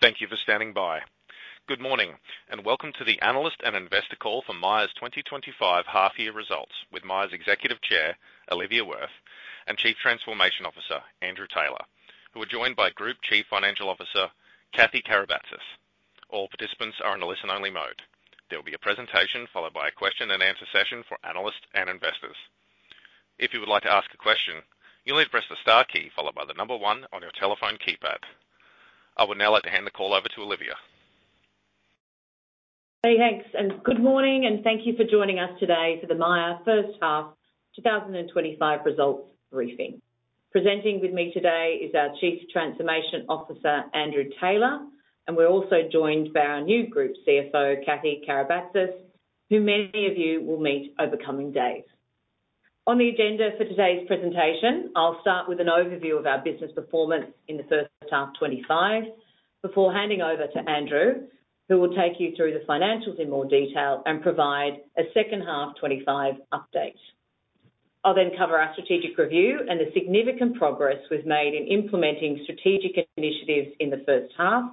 Thank you for standing by. Good morning, and welcome to the analyst and investor call for Myer's 2025 half-year results with Myer's Executive Chair, Olivia Wirth, and Chief Transformation Officer, Andrew Taylor, who are joined by Group Chief Financial Officer, Kathy Karabatsas. All participants are in a listen-only mode. There will be a presentation followed by a question-and-answer session for analysts and investors. If you would like to ask a question, you'll need to press the star key followed by the number one on your telephone keypad. I would now like to hand the call over to Olivia. Hey, Thanks, and good morning, and thank you for joining us today for the Myer first half 2025 results briefing. Presenting with me today is our Chief Transformation Officer, Andrew Taylor, and we're also joined by our new Group CFO, Kathy Karabatsas, who many of you will meet over coming days. On the agenda for today's presentation, I'll start with an overview of our business performance in the first half 2025 before handing over to Andrew, who will take you through the financials in more detail and provide a second half 2025 update. I'll then cover our strategic review and the significant progress we've made in implementing strategic initiatives in the first half,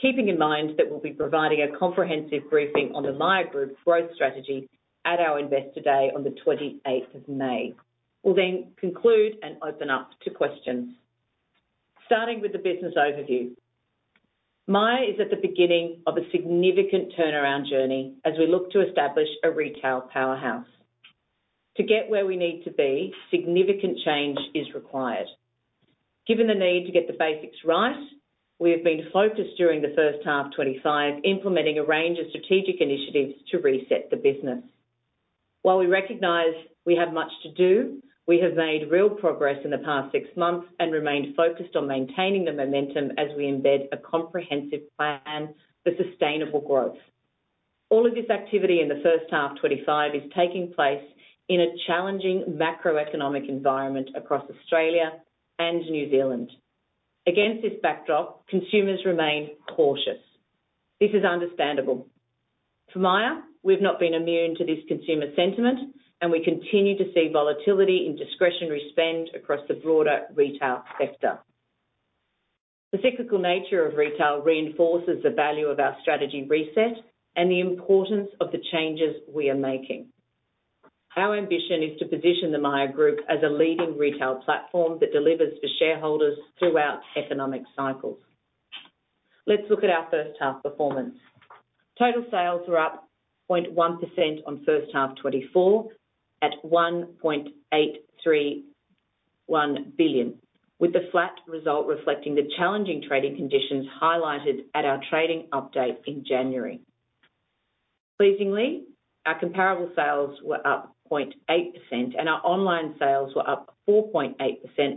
keeping in mind that we'll be providing a comprehensive briefing on the Myer Group growth strategy at our Investor Day on the 28th of May. We'll then conclude and open up to questions. Starting with the business overview, Myer is at the beginning of a significant turnaround journey as we look to establish a retail powerhouse. To get where we need to be, significant change is required. Given the need to get the basics right, we have been focused during the first half 2025, implementing a range of strategic initiatives to reset the business. While we recognize we have much to do, we have made real progress in the past six months and remained focused on maintaining the momentum as we embed a comprehensive plan for sustainable growth. All of this activity in the first half 2025 is taking place in a challenging macroeconomic environment across Australia and New Zealand. Against this backdrop, consumers remain cautious. This is understandable. For Myer, we've not been immune to this consumer sentiment, and we continue to see volatility in discretionary spend across the broader retail sector. The cyclical nature of retail reinforces the value of our strategy reset and the importance of the changes we are making. Our ambition is to position the Myer Group as a leading retail platform that delivers for shareholders throughout economic cycles. Let's look at our first half performance. Total sales were up 0.1% on first half 2024 at 1.831 billion, with the flat result reflecting the challenging trading conditions highlighted at our trading update in January. Pleasingly, our comparable sales were up 0.8%, and our online sales were up 4.8%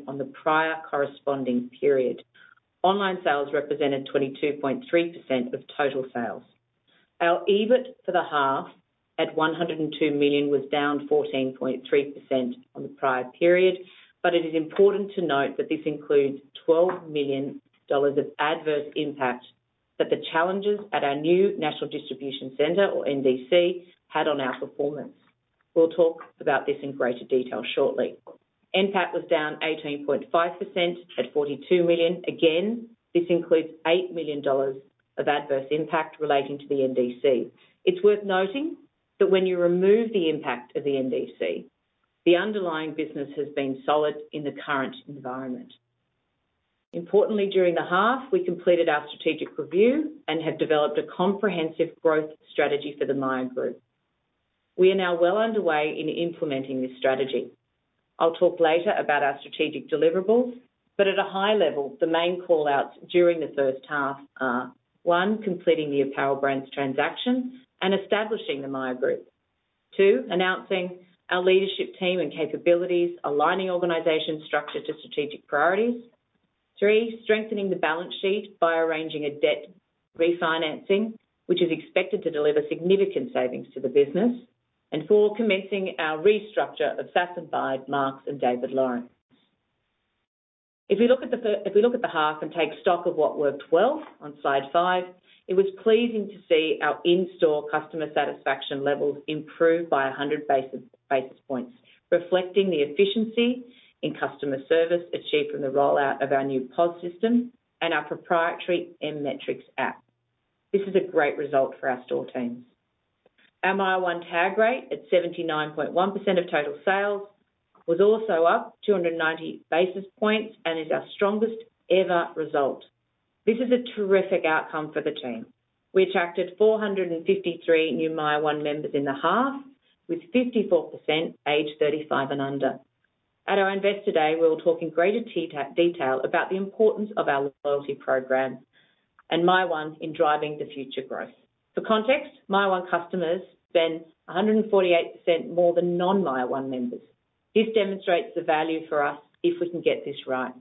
on the prior corresponding period. Online sales represented 22.3% of total sales. Our EBIT for the half at 102 million was down 14.3% on the prior period, but it is important to note that this includes 12 million dollars of adverse impact that the challenges at our new National Distribution Center, or NDC, had on our performance. We'll talk about this in greater detail shortly. NPAT was down 18.5% at 42 million. Again, this includes 8 million dollars of adverse impact relating to the NDC. It's worth noting that when you remove the impact of the NDC, the underlying business has been solid in the current environment. Importantly, during the half, we completed our strategic review and have developed a comprehensive growth strategy for the Myer Group. We are now well underway in implementing this strategy. I'll talk later about our strategic deliverables, but at a high level, the main callouts during the first half are: one, completing the Apparel Brands transaction and establishing the Myer Group; two, announcing our leadership team and capabilities, aligning organization structure to strategic priorities; three, strengthening the balance sheet by arranging a debt refinancing, which is expected to deliver significant savings to the business; and four, commencing our restructure of Sass & Bide, Marcs, and David Lawrence. If we look at the half and take stock of what worked well on slide five, it was pleasing to see our in-store customer satisfaction levels improve by 100 basis points, reflecting the efficiency in customer service achieved from the rollout of our new POS system and our proprietary M-Metrics app. This is a great result for our store teams. Our MYER one tag rate at 79.1% of total sales was also up 290 basis points and is our strongest ever result. This is a terrific outcome for the team. We attracted 453 new MYER one members in the half, with 54% age 35 and under. At our Investor Day, we will talk in greater detail about the importance of our loyalty program and MYER one in driving the future growth. For context, MYER one customers spend 148% more than non-MYER one members. This demonstrates the value for us if we can get this right.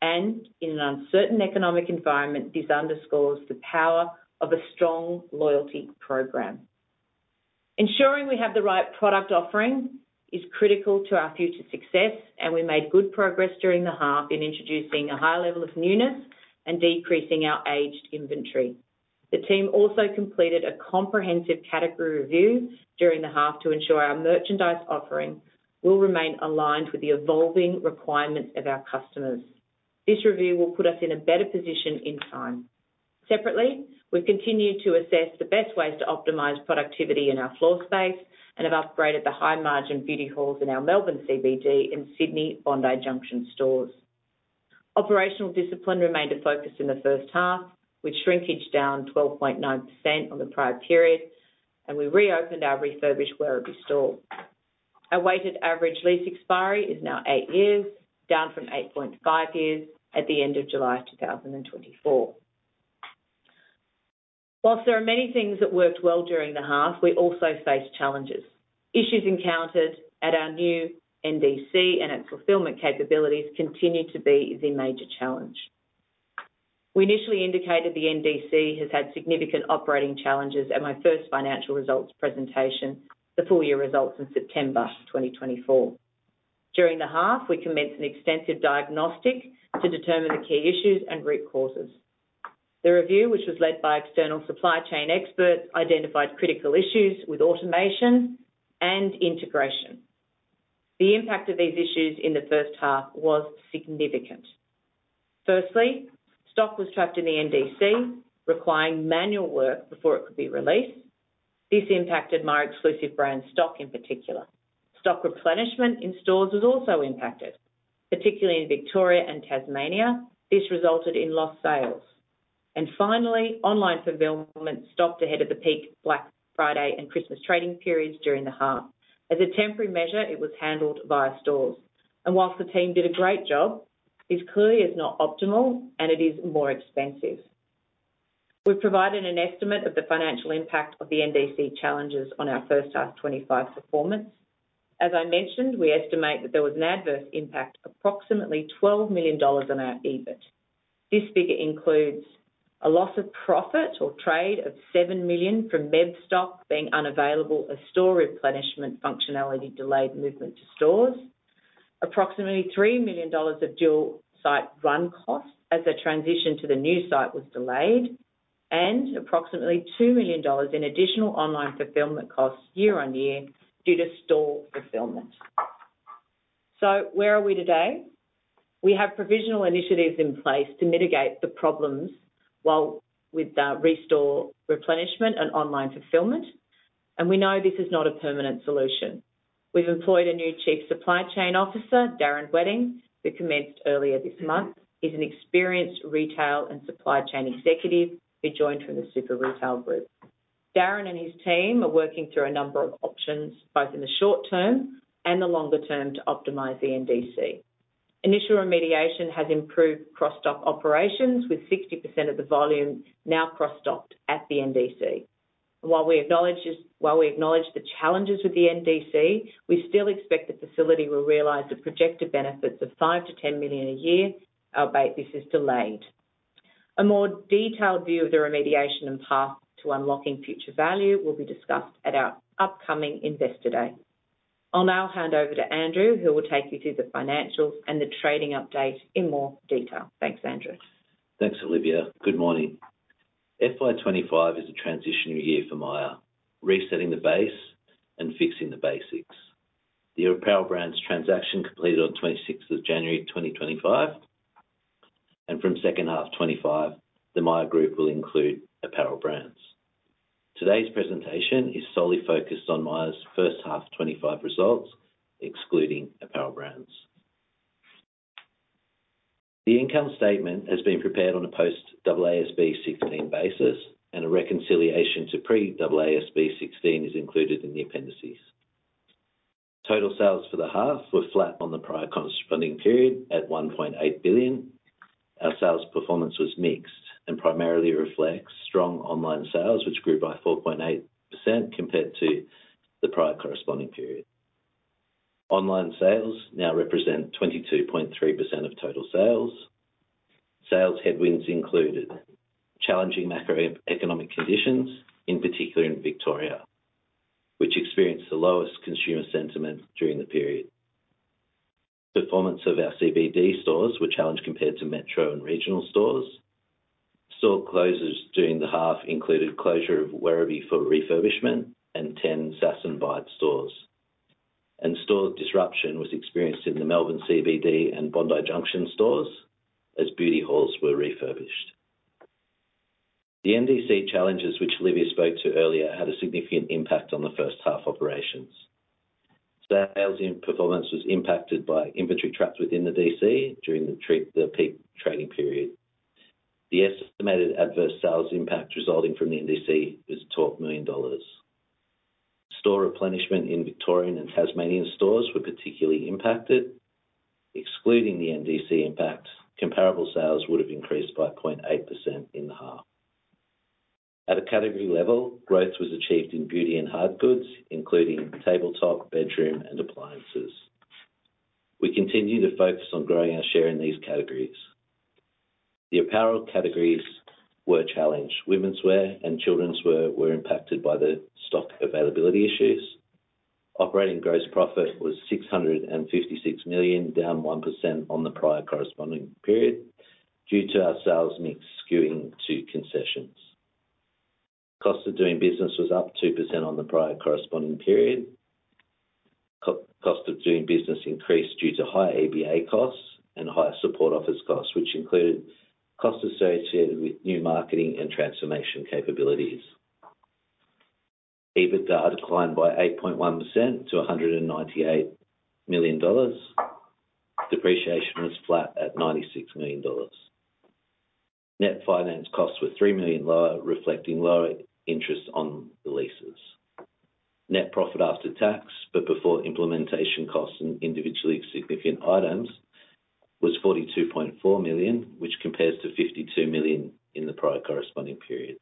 In an uncertain economic environment, this underscores the power of a strong loyalty program. Ensuring we have the right product offering is critical to our future success, and we made good progress during the half in introducing a high level of newness and decreasing our aged inventory. The team also completed a comprehensive category review during the half to ensure our merchandise offering will remain aligned with the evolving requirements of our customers. This review will put us in a better position in time. Separately, we've continued to assess the best ways to optimize productivity in our floor space and have upgraded the high-margin beauty halls in our Melbourne CBD and Sydney Bondi Junction stores. Operational discipline remained a focus in the first half, with shrinkage down 12.9% on the prior period, and we reopened our refurbished Werribee store. Our weighted average lease expiry is now eight years, down from 8.5 years at the end of July 2024. Whilst there are many things that worked well during the half, we also faced challenges. Issues encountered at our new NDC and its fulfillment capabilities continue to be the major challenge. We initially indicated the NDC has had significant operating challenges at my first financial results presentation, the full year results in September 2024. During the half, we commenced an extensive diagnostic to determine the key issues and root causes. The review, which was led by external supply chain experts, identified critical issues with automation and integration. The impact of these issues in the first half was significant. Firstly, stock was trapped in the NDC, requiring manual work before it could be released. This impacted my exclusive brand stock in particular. Stock replenishment in stores was also impacted, particularly in Victoria and Tasmania. This resulted in lost sales. Finally, online fulfillment stopped ahead of the peak Black Friday and Christmas trading periods during the half. As a temporary measure, it was handled via stores. Whilst the team did a great job, this clearly is not optimal, and it is more expensive. We have provided an estimate of the financial impact of the NDC challenges on our first half 2025 performance. As I mentioned, we estimate that there was an adverse impact of approximately 12 million dollars on our EBIT. This figure includes a loss of profit or trade of 7 million from MEB stock being unavailable, a store replenishment functionality delayed movement to stores, approximately 3 million dollars of dual-site run costs as a transition to the new site was delayed, and approximately 2 million dollars in additional online fulfillment costs year on year due to store fulfillment. Where are we today? We have provisional initiatives in place to mitigate the problems with store replenishment and online fulfillment, and we know this is not a permanent solution. We've employed a new Chief Supply Chain Officer, Darren Wedding, who commenced earlier this month. He's an experienced retail and supply chain executive who joined from the Super Retail Group. Darren and his team are working through a number of options, both in the short term and the longer term, to optimize the NDC. Initial remediation has improved cross-dock operations with 60% of the volume now cross-docked at the NDC. While we acknowledge the challenges with the NDC, we still expect the facility will realize the projected benefits of 5 million-10 million a year, albeit this is delayed. A more detailed view of the remediation and path to unlocking future value will be discussed at our upcoming Investor Day. I'll now hand over to Andrew, who will take you through the financials and the trading update in more detail. Thanks, Andrew. Thanks, Olivia. Good morning. FY25 is a transition year for Myer, resetting the base and fixing the basics. The Apparel Brands transaction completed on 26th of January 2025, and from second half 2025, the Myer Group will include Apparel Brands. Today's presentation is solely focused on Myer's first half 2025 results, excluding Apparel Brands. The income statement has been prepared on a post-AASB 16 basis, and a reconciliation to pre-AASB 16 is included in the appendices. Total sales for the half were flat on the prior corresponding period at 1.8 billion. Our sales performance was mixed and primarily reflects strong online sales, which grew by 4.8% compared to the prior corresponding period. Online sales now represent 22.3% of total sales. Sales headwinds included challenging macroeconomic conditions, in particular in Victoria, which experienced the lowest consumer sentiment during the period. Performance of our CBD stores was challenged compared to metro and regional stores. Store closures during the half included closure of Werribee for refurbishment and 10 Sass & Bide stores. Store disruption was experienced in the Melbourne CBD and Bondi Junction stores as beauty halls were refurbished. The NDC challenges, which Olivia spoke to earlier, had a significant impact on the first half operations. Sales performance was impacted by inventory traps within the DC during the peak trading period. The estimated adverse sales impact resulting from the NDC was 12 million dollars. Store replenishment in Victorian and Tasmanian stores was particularly impacted. Excluding the NDC impact, comparable sales would have increased by 0.8% in the half. At a category level, growth was achieved in beauty and hard goods, including tabletop, bedroom, and appliances. We continue to focus on growing our share in these categories. The apparel categories were challenged. Women's wear and children's wear were impacted by the stock availability issues. Operating gross profit was 656 million, down 1% on the prior corresponding period due to our sales mix skewing to concessions. Cost of doing business was up 2% on the prior corresponding period. Cost of doing business increased due to higher EBA costs and higher support office costs, which included costs associated with new marketing and transformation capabilities. EBITDA declined by 8.1% to 198 million dollars. Depreciation was flat at 96 million dollars. Net finance costs were 3 million lower, reflecting lower interest on the leases. Net profit after tax, but before implementation costs and individually significant items was 42.4 million, which compares to 52 million in the prior corresponding period.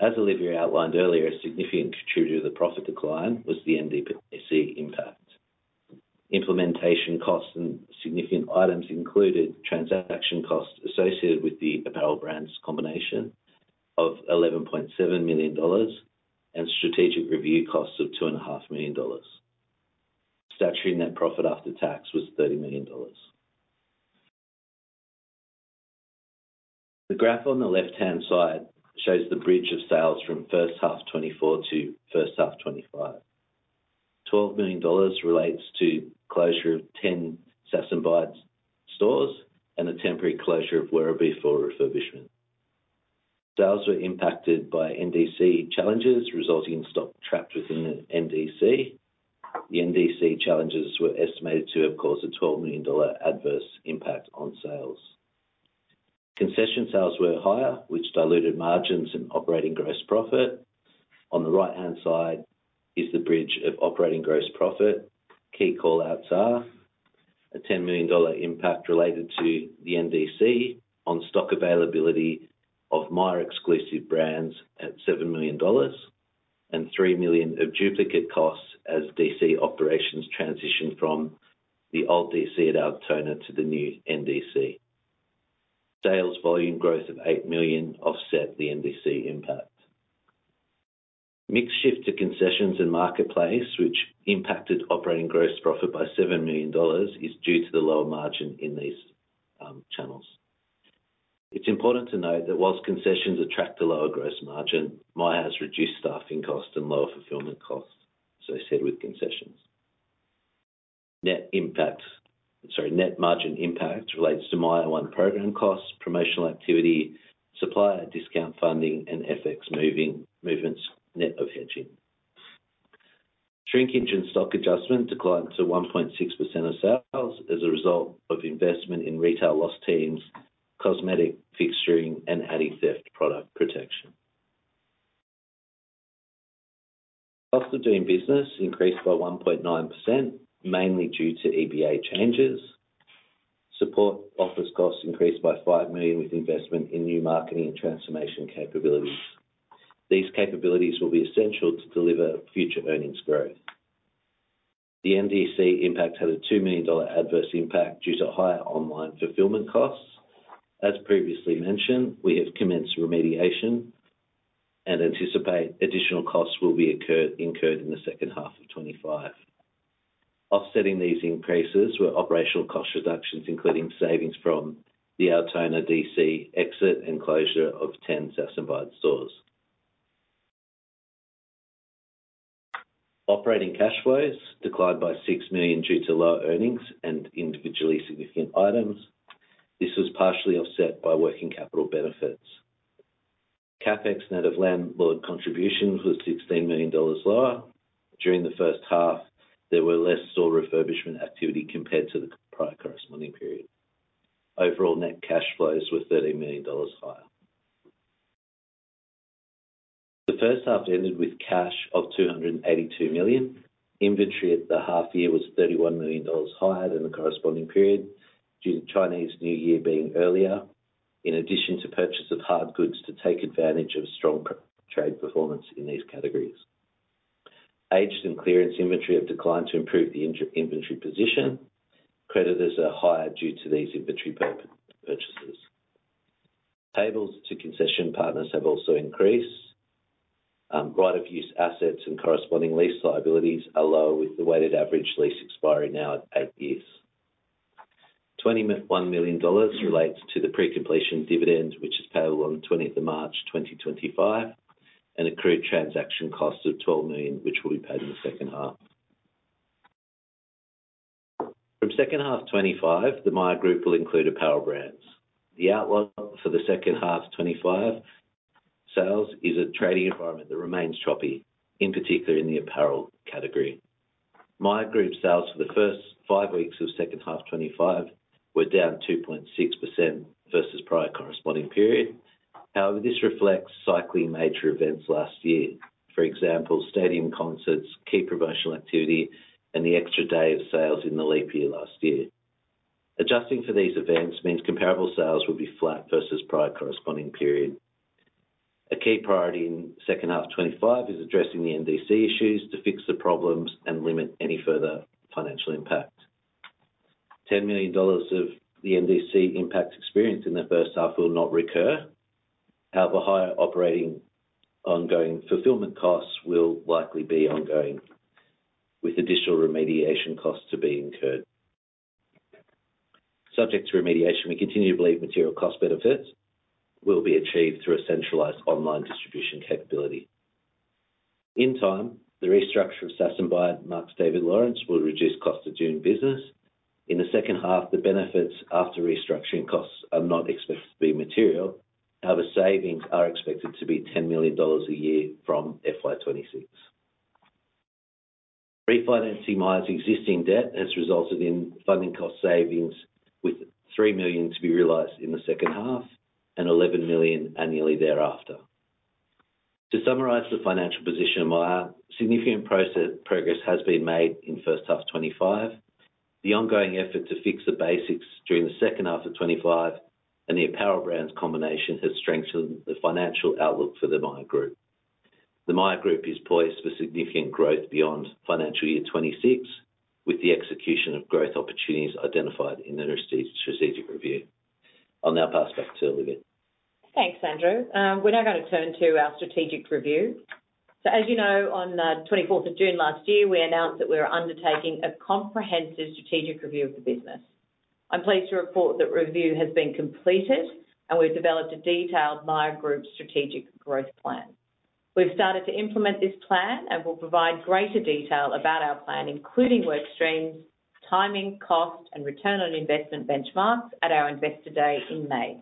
As Olivia outlined earlier, a significant contributor to the profit decline was the NDC impact. Implementation costs and significant items included transaction costs associated with the Apparel Brands combination of 11.7 million dollars and strategic review costs of 2.5 million dollars. Statutory net profit after tax was 30 million dollars. The graph on the left-hand side shows the bridge of sales from first half 2024 to first half 2025. 12 million dollars relates to closure of 10 Sass & Bide stores and a temporary closure of Werribee for refurbishment. Sales were impacted by NDC challenges resulting in stock trapped within the NDC. The NDC challenges were estimated to have caused a 12 million dollar adverse impact on sales. Concession sales were higher, which diluted margins and operating gross profit. On the right-hand side is the bridge of operating gross profit. Key callouts are a 10 million dollar impact related to the NDC on stock availability of Myer's exclusive brands at 7 million dollars and 3 million of duplicate costs as DC operations transitioned from the old DC at Altona to the new NDC. Sales volume growth of 8 million offset the NDC impact. Mixed shift to concessions and marketplace, which impacted operating gross profit by 7 million dollars, is due to the lower margin in these channels. It's important to note that whilst concessions attract a lower gross margin, Myer has reduced staffing costs and lower fulfillment costs, as I said with concessions. Net margin impact relates to MYER one program costs, promotional activity, supplier discount funding, and FX movements, net of hedging. Shrinkage in stock adjustment declined to 1.6% of sales as a result of investment in retail loss teams, cosmetic fixturing, and anti-theft product protection. Cost of doing business increased by 1.9%, mainly due to EBA changes. Support office costs increased by 5 million with investment in new marketing and transformation capabilities. These capabilities will be essential to deliver future earnings growth. The NDC impact had a 2 million dollar adverse impact due to higher online fulfillment costs. As previously mentioned, we have commenced remediation and anticipate additional costs will be incurred in the second half of 2025. Offsetting these increases were operational cost reductions, including savings from the Altona DC exit and closure of 10 Sass & Bide stores. Operating cash flows declined by 6 million due to lower earnings and individually significant items. This was partially offset by working capital benefits. CapEx net of landlord contributions was 16 million dollars lower. During the first half, there was less store refurbishment activity compared to the prior corresponding period. Overall net cash flows were 13 million dollars higher. The first half ended with cash of 282 million. Inventory at the half year was 31 million dollars higher than the corresponding period due to Chinese New Year being earlier, in addition to purchase of hard goods to take advantage of strong trade performance in these categories. Aged and clearance inventory have declined to improve the inventory position. Creditors are higher due to these inventory purchases. Payables to concession partners have also increased. Right-of-use assets and corresponding lease liabilities are low with the weighted average lease expiry now at eight years. 21 million dollars relates to the pre-completion dividend, which is payable on 20th of March 2025, and accrued transaction costs of 12 million, which will be paid in the second half. From second half 2025, the Myer Group will include Apparel Brands. The outlook for the second half 2025 sales is a trading environment that remains choppy, in particular in the apparel category. Myer Group sales for the first five weeks of second half 2025 were down 2.6% versus prior corresponding period. However, this reflects cycling major events last year. For example, stadium concerts, key promotional activity, and the extra day of sales in the leap year last year. Adjusting for these events means comparable sales will be flat versus prior corresponding period. A key priority in second half 2025 is addressing the NDC issues to fix the problems and limit any further financial impact. 10 million dollars of the NDC impact experienced in the first half will not recur. However, higher operating ongoing fulfillment costs will likely be ongoing, with additional remediation costs to be incurred. Subject to remediation, we continue to believe material cost benefits will be achieved through a centralized online distribution capability. In time, the restructure of Sass & Bide, Marcs, David Lawrence will reduce costs of doing business. In the second half, the benefits after restructuring costs are not expected to be material. However, savings are expected to be 10 million dollars a year from FY2026. Refinancing Myer's existing debt has resulted in funding cost savings with 3 million to be realized in the second half and 11 million annually thereafter. To summarize the financial position of Myer, significant progress has been made in first half 2025. The ongoing effort to fix the basics during the second half of 2025 and the Apparel Brands combination has strengthened the financial outlook for the Myer Group. The Myer Group is poised for significant growth beyond financial year 2026, with the execution of growth opportunities identified in the strategic review. I'll now pass back to Olivia. Thanks, Andrew. We're now going to turn to our strategic review. As you know, on 24th of June last year, we announced that we were undertaking a comprehensive strategic review of the business. I'm pleased to report that review has been completed, and we've developed a detailed Myer Group strategic growth plan. We've started to implement this plan and will provide greater detail about our plan, including work streams, timing, cost, and return on investment benchmarks at our Investor Day in May.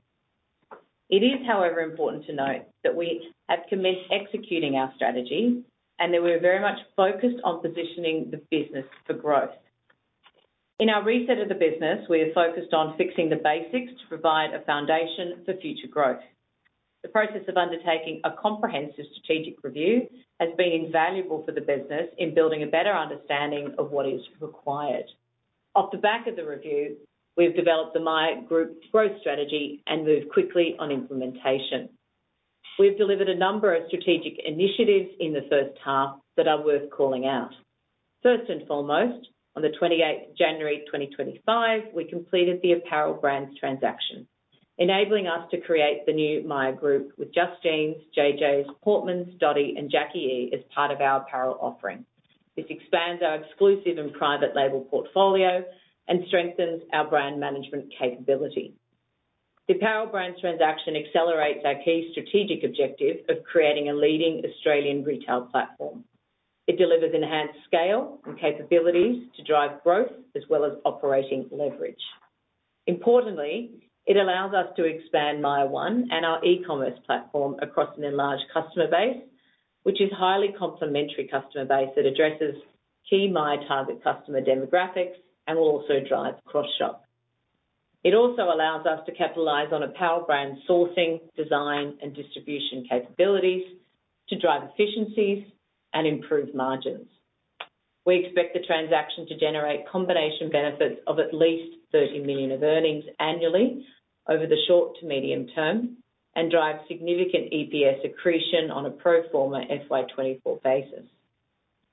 It is, however, important to note that we have commenced executing our strategy and that we are very much focused on positioning the business for growth. In our reset of the business, we have focused on fixing the basics to provide a foundation for future growth. The process of undertaking a comprehensive strategic review has been invaluable for the business in building a better understanding of what is required. Off the back of the review, we have developed the Myer Group growth strategy and moved quickly on implementation. We have delivered a number of strategic initiatives in the first half that are worth calling out. First and foremost, on the 28th of January 2025, we completed the Apparel Brands transaction, enabling us to create the new Myer Group with Just Jeans, Jay Jays, Portmans, Dotti, and Jacqui E as part of our apparel offering. This expands our exclusive and private label portfolio and strengthens our brand management capability. The Apparel Brands transaction accelerates our key strategic objective of creating a leading Australian retail platform. It delivers enhanced scale and capabilities to drive growth as well as operating leverage. Importantly, it allows us to expand MYER one and our e-commerce platform across an enlarged customer base, which is a highly complementary customer base that addresses key Myer target customer demographics and will also drive cross-shop. It also allows us to capitalize on Apparel Brands sourcing, design, and distribution capabilities to drive efficiencies and improve margins. We expect the transaction to generate combination benefits of at least 30 million of earnings annually over the short to medium term and drive significant EPS accretion on a pro forma FY2024 basis.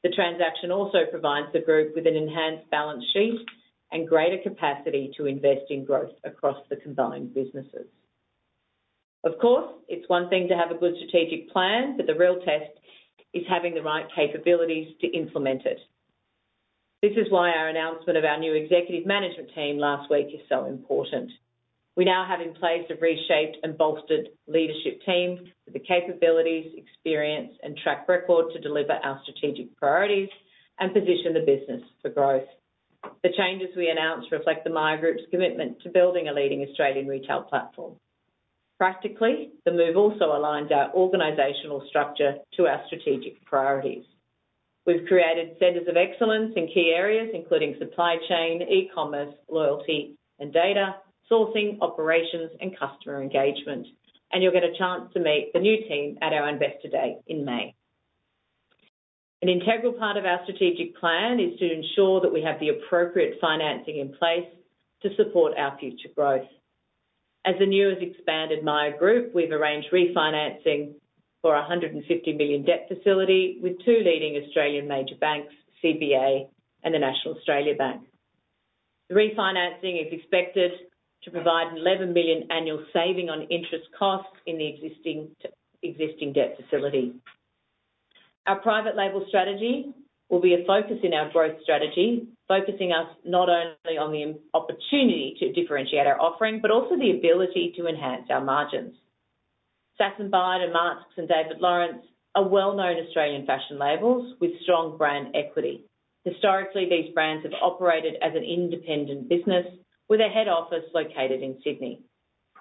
The transaction also provides the group with an enhanced balance sheet and greater capacity to invest in growth across the combined businesses. Of course, it's one thing to have a good strategic plan, but the real test is having the right capabilities to implement it. This is why our announcement of our new executive management team last week is so important. We now have in place a reshaped and bolstered leadership team with the capabilities, experience, and track record to deliver our strategic priorities and position the business for growth. The changes we announced reflect the Myer Group's commitment to building a leading Australian retail platform. Practically, the move also aligns our organizational structure to our strategic priorities. We have created centers of excellence in key areas, including supply chain, e-commerce, loyalty and data, sourcing, operations, and customer engagement. You will get a chance to meet the new team at our Investor Day in May. An integral part of our strategic plan is to ensure that we have the appropriate financing in place to support our future growth. As the new, expanded Myer Group, we have arranged refinancing for an 150 million debt facility with two leading Australian major banks, Commonwealth Bank of Australia and National Australia Bank. The refinancing is expected to provide 11 million annual saving on interest costs in the existing debt facility. Our private label strategy will be a focus in our growth strategy, focusing us not only on the opportunity to differentiate our offering, but also the ability to enhance our margins. Sass & Bide and Marcs and David Lawrence are well-known Australian fashion labels with strong brand equity. Historically, these brands have operated as an independent business with a head office located in Sydney.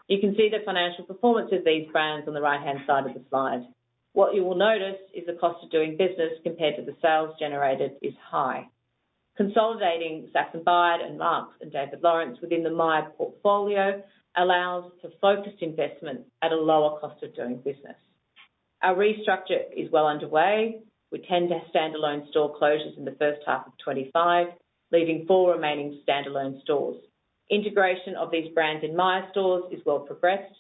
You can see the financial performance of these brands on the right-hand side of the slide. What you will notice is the cost of doing business compared to the sales generated is high. Consolidating Sass & Bide and Marcs and David Lawrence within the Myer portfolio allows for focused investment at a lower cost of doing business. Our restructure is well underway. We tend to have standalone store closures in the first half of 2025, leaving four remaining standalone stores. Integration of these brands in Myer stores is well progressed,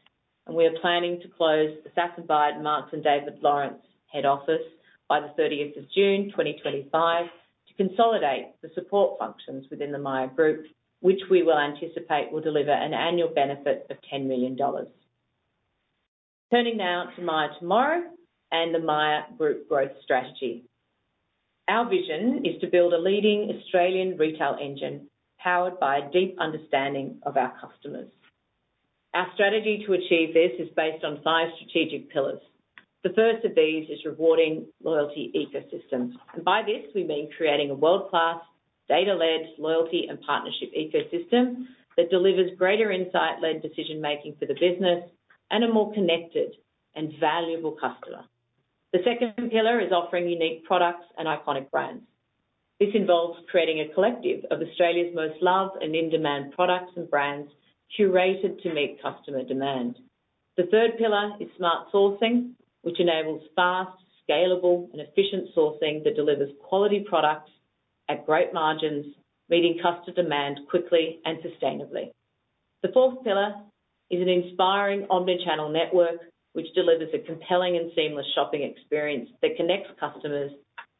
and we are planning to close the Sass & Bide and Marcs and David Lawrence head office by the 30th of June 2025 to consolidate the support functions within the Myer Group, which we will anticipate will deliver an annual benefit of 10 million dollars. Turning now to Myer’s Tomorrow and the Myer Group growth strategy. Our vision is to build a leading Australian retail engine powered by a deep understanding of our customers. Our strategy to achieve this is based on five strategic pillars. The first of these is rewarding loyalty ecosystems. By this, we mean creating a world-class data-led loyalty and partnership ecosystem that delivers greater insight-led decision-making for the business and a more connected and valuable customer. The second pillar is offering unique products and iconic brands. This involves creating a collective of Australia's most loved and in-demand products and brands curated to meet customer demand. The third pillar is smart sourcing, which enables fast, scalable, and efficient sourcing that delivers quality products at great margins, meeting customer demand quickly and sustainably. The fourth pillar is an inspiring omnichannel network, which delivers a compelling and seamless shopping experience that connects customers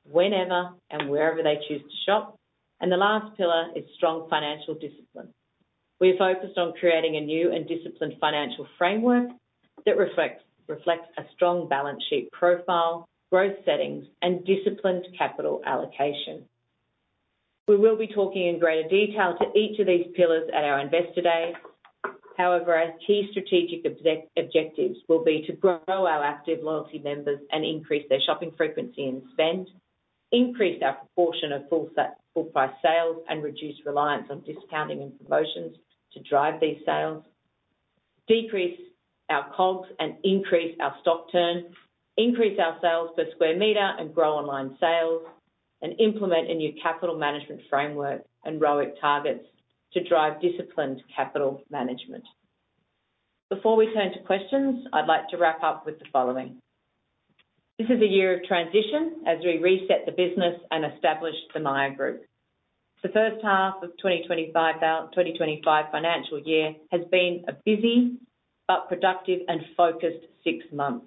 whenever and wherever they choose to shop. The last pillar is strong financial discipline. We are focused on creating a new and disciplined financial framework that reflects a strong balance sheet profile, growth settings, and disciplined capital allocation. We will be talking in greater detail to each of these pillars at our Investor Day. However, our key strategic objectives will be to grow our active loyalty members and increase their shopping frequency and spend, increase our proportion of full-price sales, and reduce reliance on discounting and promotions to drive these sales, decrease our COGS and increase our stock turn, increase our sales per square metre and grow online sales, and implement a new capital management framework and ROIC targets to drive disciplined capital management. Before we turn to questions, I'd like to wrap up with the following. This is a year of transition as we reset the business and established the Myer Group. The first half of 2025 financial year has been a busy but productive and focused six months.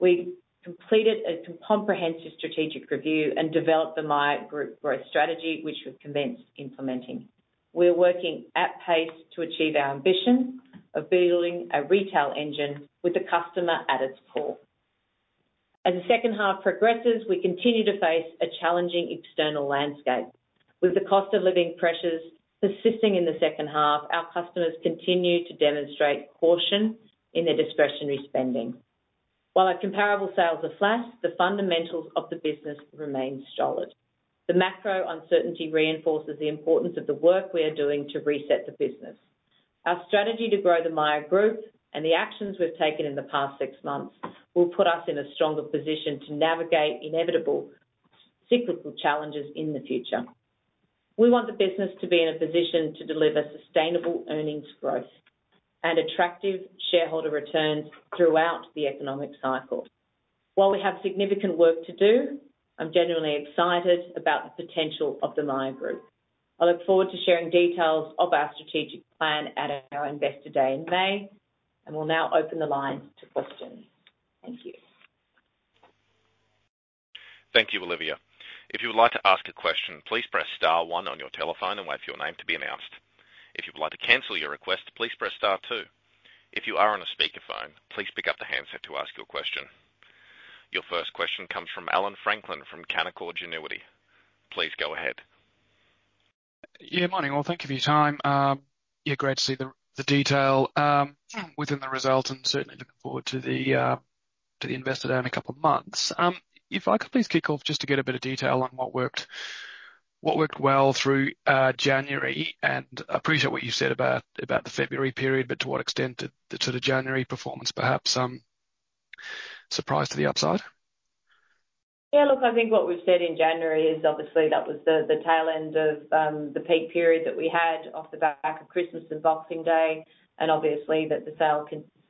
We completed a comprehensive strategic review and developed the Myer Group growth strategy, which we've commenced implementing. We are working at pace to achieve our ambition of building a retail engine with the customer at its core. As the second half progresses, we continue to face a challenging external landscape. With the cost of living pressures persisting in the second half, our customers continue to demonstrate caution in their discretionary spending. While our comparable sales are flat, the fundamentals of the business remain solid. The macro uncertainty reinforces the importance of the work we are doing to reset the business. Our strategy to grow the Myer Group and the actions we've taken in the past six months will put us in a stronger position to navigate inevitable cyclical challenges in the future. We want the business to be in a position to deliver sustainable earnings growth and attractive shareholder returns throughout the economic cycle. While we have significant work to do, I'm genuinely excited about the potential of the Myer Group. I look forward to sharing details of our strategic plan at our Investor Day in May, and we'll now open the lines to questions. Thank you. Thank you, Olivia. If you would like to ask a question, please press star one on your telephone and wait for your name to be announced. If you would like to cancel your request, please press star two. If you are on a speakerphone, please pick up the handset to ask your question. Your first question comes from Allan Franklin from Canaccord Genuity. Please go ahead. Yeah, morning all. Thank you for your time. Yeah, great to see the detail within the result and certainly looking forward to the Investor Day in a couple of months. If I could please kick off just to get a bit of detail on what worked well through January, and I appreciate what you said about the February period, but to what extent did sort of January performance perhaps surprise to the upside? Yeah, look, I think what we've said in January is obviously that was the tail end of the peak period that we had off the back of Christmas and Boxing Day, and obviously that the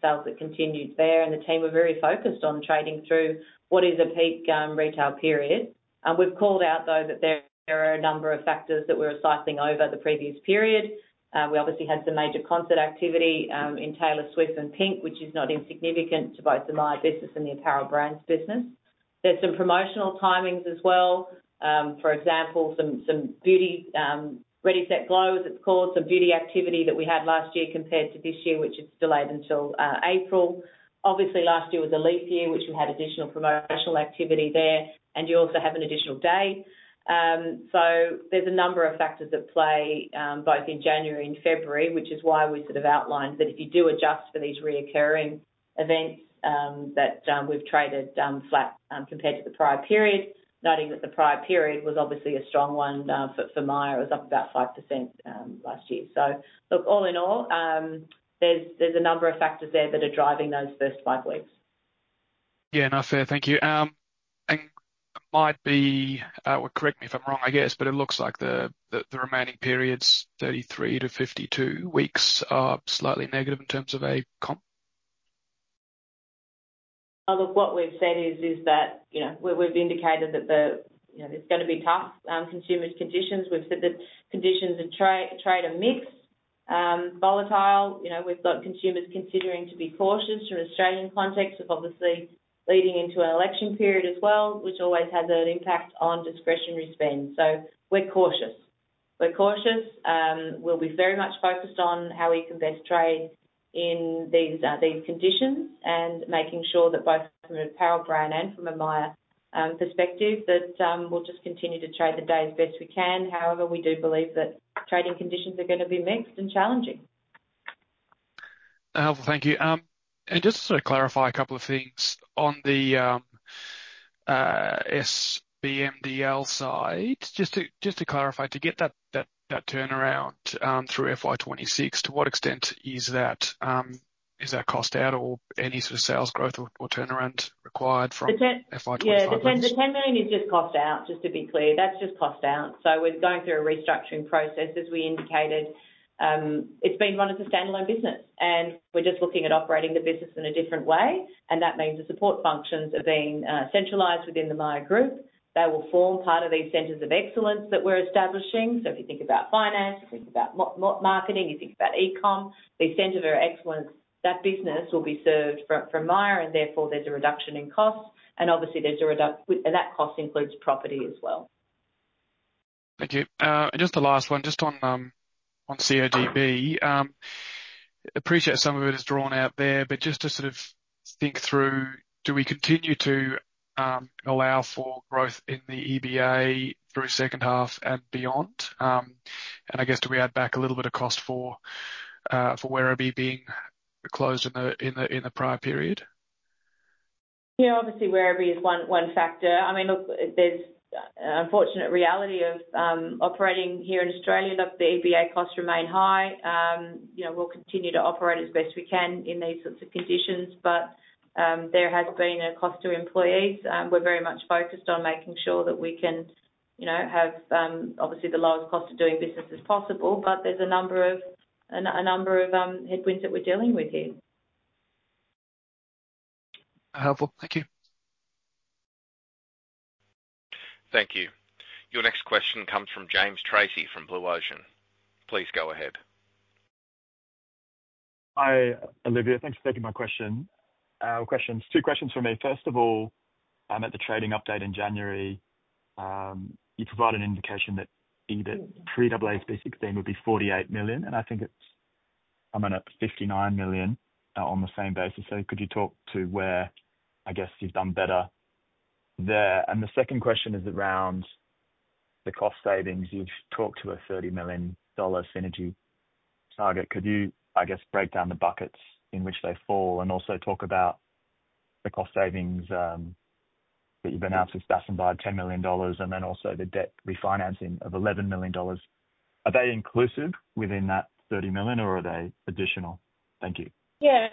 sales have continued there. The team were very focused on trading through what is a peak retail period. We've called out, though, that there are a number of factors that we were cycling over the previous period. We obviously had some major concert activity in Taylor Swift and Pink, which is not insignificant to both the Myer business and the Apparel Brands business. There's some promotional timings as well. For example, some beauty Ready Set Glow, as it's called, some beauty activity that we had last year compared to this year, which it's delayed until April. Obviously, last year was a leap year, which we had additional promotional activity there, and you also have an additional day. There are a number of factors at play both in January and February, which is why we sort of outlined that if you do adjust for these reoccurring events, that we've traded flat compared to the prior period, noting that the prior period was obviously a strong one for Myer. It was up about 5% last year. All in all, there are a number of factors there that are driving those first five weeks. Yeah, no, fair. Thank you. It might be—correct me if I'm wrong, I guess—but it looks like the remaining periods, 33-52 weeks, are slightly negative in terms of a comp. Look, what we've said is that we've indicated that it's going to be tough on consumers' conditions. We've said that conditions and trade are mixed, volatile. We've got consumers considering to be cautious from the Australian context of obviously leading into an election period as well, which always has an impact on discretionary spend. We're cautious. We're cautious. We'll be very much focused on how we can best trade in these conditions and making sure that both from an apparel brand and from a Myer perspective, that we'll just continue to trade the day as best we can. However, we do believe that trading conditions are going to be mixed and challenging. Thank you. Just to sort of clarify a couple of things on the SBMDL side, just to clarify, to get that turnaround through FY 2026, to what extent is that cost out or any sort of sales growth or turnaround required from FY 2027? The 10 million is just cost out, just to be clear. That's just cost out. We are going through a restructuring process, as we indicated. It's been run as a standalone business, and we are just looking at operating the business in a different way. That means the support functions are being centralized within the Myer Group. They will form part of these centers of excellence that we are establishing. If you think about finance, you think about marketing, you think about e-com, these centers of excellence, that business will be served from Myer, and therefore there is a reduction in costs. Obviously, that cost includes property as well. Thank you. Just the last one, just on CODB. Appreciate some of it is drawn out there, but just to sort of think through, do we continue to allow for growth in the EBA through second half and beyond? I guess, do we add back a little bit of cost for Werribee being closed in the prior period? Yeah, obviously, Werribee is one factor. I mean, look, there's an unfortunate reality of operating here in Australia. Look, the EBA costs remain high. We'll continue to operate as best we can in these sorts of conditions, but there has been a cost to employees. We're very much focused on making sure that we can have obviously the lowest cost of doing business as possible, but there's a number of headwinds that we're dealing with here. Thank you. Thank you. Your next question comes from James Tracey from Blue Ocean. Please go ahead. Hi, Olivia. Thanks for taking my question. Two questions for me. First of all, at the trading update in January, you provided an indication that P&L post-AASB 16 would be 48 million, and I think it's come in at 59 million on the same basis. Could you talk to where, I guess, you've done better there? The second question is around the cost savings. You've talked to a 30 million dollar synergy target. Could you, I guess, break down the buckets in which they fall and also talk about the cost savings that you've announced with Sass & Bide, 10 million dollars, and then also the debt refinancing of 11 million dollars? Are they inclusive within that 30 million, or are they additional? Thank you. Yeah.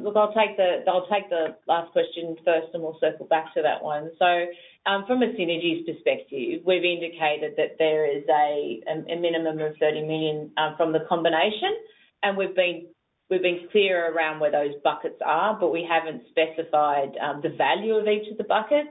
Look, I'll take the last question first, and we'll circle back to that one. From a synergy perspective, we've indicated that there is a minimum of 30 million from the combination, and we've been clear around where those buckets are, but we haven't specified the value of each of the buckets.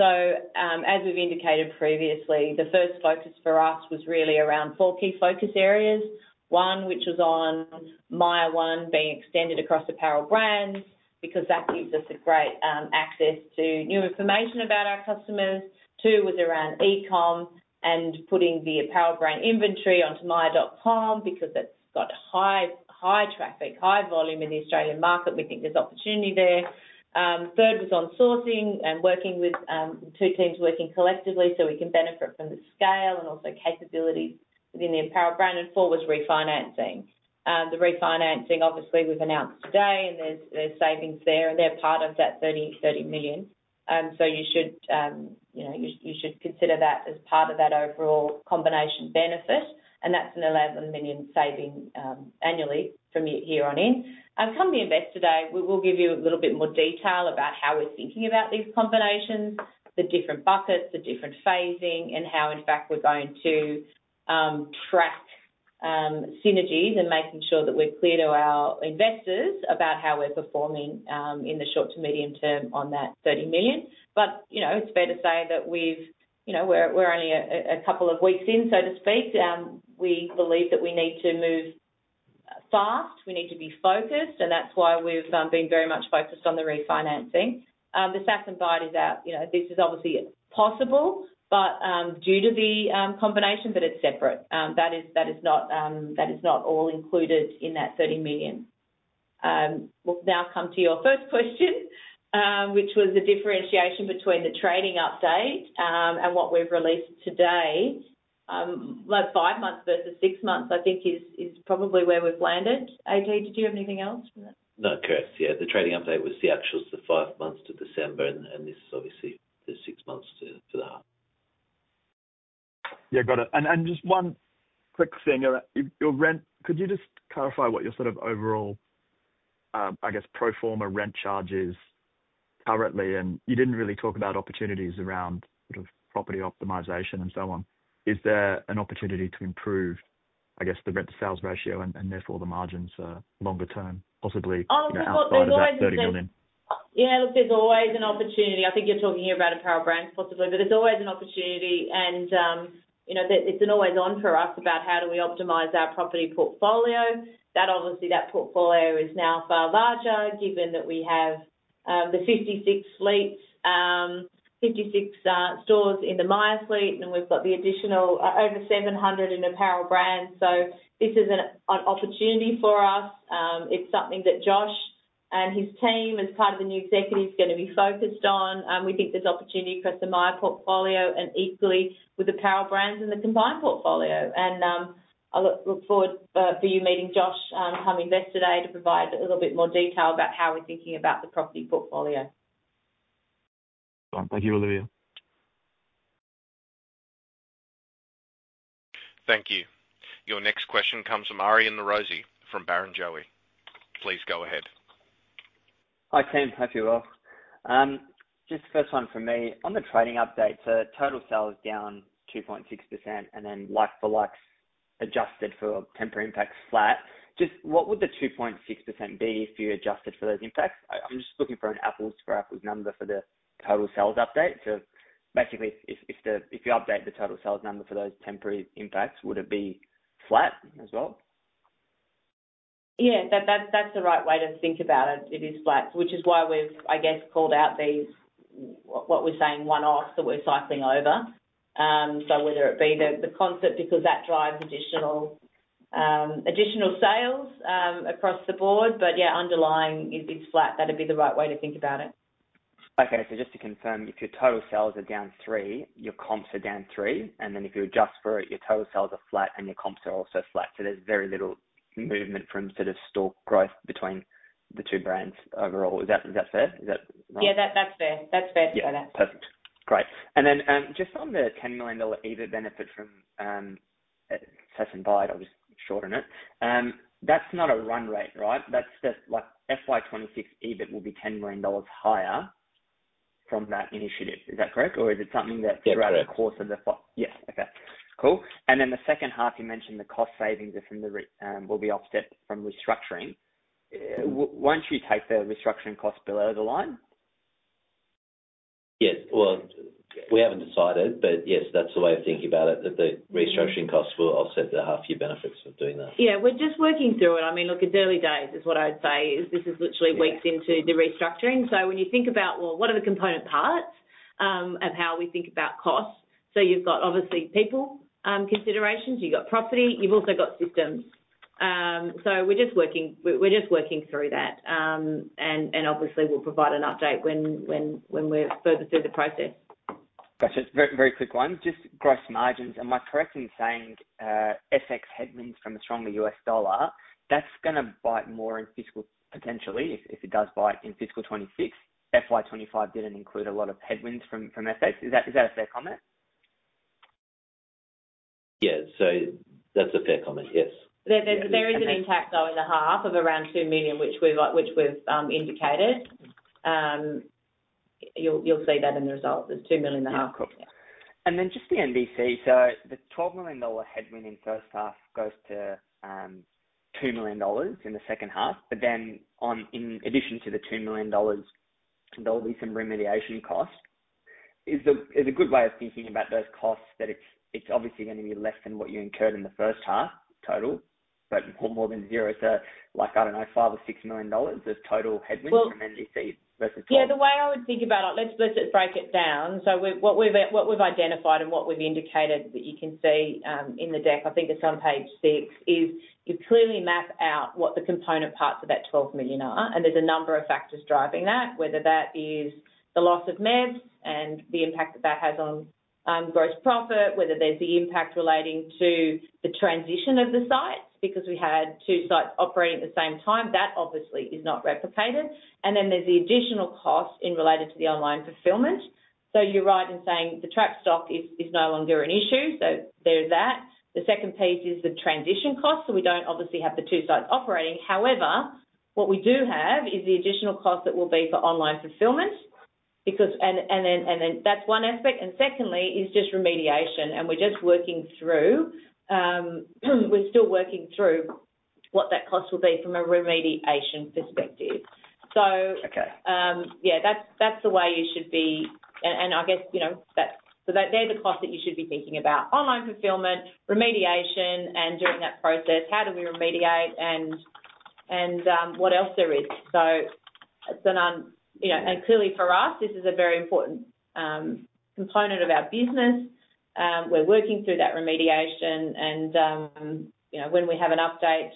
As we've indicated previously, the first focus for us was really around four key focus areas. One, which was on MYER one being extended across Apparel Brands, because that gives us great access to new information about our customers. Two was around e-com and putting the Apparel Brands inventory onto myer.com because it's got high traffic, high volume in the Australian market. We think there's opportunity there. Third was on sourcing and working with two teams working collectively so we can benefit from the scale and also capabilities within the Apparel Brands. Four was refinancing. The refinancing, obviously, we've announced today, and there's savings there, and they're part of that 30 million. You should consider that as part of that overall combination benefit, and that's an 11 million saving annually from here on in. Come to Investor Day, we'll give you a little bit more detail about how we're thinking about these combinations, the different buckets, the different phasing, and how, in fact, we're going to track synergies and making sure that we're clear to our investors about how we're performing in the short to medium term on that 30 million. It's fair to say that we're only a couple of weeks in, so to speak. We believe that we need to move fast. We need to be focused, and that's why we've been very much focused on the refinancing. The Sass & Bide is out. This is obviously possible, but due to the combination, but it's separate. That is not all included in that 30 million. We'll now come to your first question, which was the differentiation between the trading update and what we've released today. Five months versus six months, I think, is probably where we've landed. AT, did you have anything else for that? No, James. Yeah, the trading update was the actual sort of five months to December, and this is obviously the six months to the half. Yeah, got it. Just one quick thing. Could you just clarify what your sort of overall, I guess, pro forma rent charge is currently? You didn't really talk about opportunities around sort of property optimisation and so on. Is there an opportunity to improve, I guess, the rent-to-sales ratio and therefore the margins longer term, possibly around 30 million? Yeah, look, there's always an opportunity. I think you're talking here about Apparel Brands, possibly, but there's always an opportunity. It's an always-on for us about how do we optimize our property portfolio. Obviously, that portfolio is now far larger, given that we have the 56 stores in the Myer fleet, and we've got the additional over 700 in Apparel Brands. This is an opportunity for us. It's something that Josh and his team, as part of the new executives, are going to be focused on. We think there's opportunity across the Myer portfolio and equally with Apparel Brands in the combined portfolio. I look forward to you meeting Josh come Investor Day to provide a little bit more detail about how we're thinking about the property portfolio. Thank you, Olivia. Thank you. Your next question comes from Aryan Norozi from Barrenjoey. Please go ahead. Hi, team thank you all. Hope you're well. Just the first one from me. On the trading update, total sales down 2.6%, and then like-for-likes adjusted for temporary impacts flat. What would the 2.6% be if you adjusted for those impacts? I'm just looking for an apples-for-apples number for the total sales update. Basically, if you update the total sales number for those temporary impacts, would it be flat as well? Yeah, that's the right way to think about it. It is flat, which is why we've, I guess, called out what we're saying one-offs that we're cycling over. Whether it be the concert, because that drives additional sales across the board. Yeah, underlying, it's flat. That'd be the right way to think about it. Okay. Just to confirm, if your total sales are down 3%, your comps are down 3%, and then if you adjust for it, your total sales are flat, and your comps are also flat. There is very little movement from sort of stock growth between the two brands overall. Is that fair? Is that right? Yeah, that's fair. That's fair to say that. Yeah, perfect. Great. And then just on the 10 million dollar EBIT benefit from Sass & Bide, I'll just shorten it. That's not a run rate, right? FY2026 EBIT will be 10 million dollars higher from that initiative. Is that correct? Or is it something that's throughout the course of the? Yes. Yeah. Okay. Cool. The second half, you mentioned the cost savings will be offset from restructuring. Once you take the restructuring cost bill over the line? Yes. We haven't decided, but yes, that's the way of thinking about it, that the restructuring costs will offset the half-year benefits of doing that. Yeah, we're just working through it. I mean, look, at daily days is what I'd say. This is literally weeks into the restructuring. When you think about, well, what are the component parts of how we think about costs? You've got obviously people considerations, you've got property, you've also got systems. We're just working through that. Obviously, we'll provide an update when we're further through the process. Gotcha. Very quick one. Just gross margins. Am I correct in saying FX headwinds from a stronger US dollar? That's going to bite more in fiscal, potentially if it does bite in fiscal 2026. Fiscal year 2025 didn't include a lot of headwinds from FX. Is that a fair comment? Yes. That's a fair comment. Yes. There is an impact, though, in the half of around 2 million, which we've indicated. You'll see that in the results. There's 2 million in the half. Just the NDC. The 12 million dollar headwind in first half goes to 2 million dollars in the second half. In addition to the 2 million dollars, there will be some remediation costs. Is a good way of thinking about those costs that it is obviously going to be less than what you incurred in the first half total, but more than zero. Like, I do not know, 5 million or 6 million dollars of total headwinds from NDC versus 12. Yeah, the way I would think about it, let's break it down. What we've identified and what we've indicated that you can see in the deck, I think it's on page six, is you clearly map out what the component parts of that 12 million are. There's a number of factors driving that, whether that is the loss of MEBs and the impact that that has on gross profit, whether there's the impact relating to the transition of the sites, because we had two sites operating at the same time. That obviously is not replicated. There's the additional costs in relation to the online fulfillment. You're right in saying the track stock is no longer an issue. There's that. The second piece is the transition costs. We don't obviously have the two sites operating. However, what we do have is the additional costs that will be for online fulfillment. That is one aspect. Secondly is just remediation. We are just working through. We are still working through what that cost will be from a remediation perspective. That is the way you should be. I guess that they are the costs that you should be thinking about: online fulfillment, remediation, and during that process, how do we remediate and what else there is. It is clearly for us, this is a very important component of our business. We are working through that remediation. When we have an update,